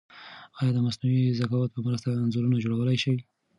ایا د مصنوعي ذکاوت په مرسته انځورونه جوړولای شئ؟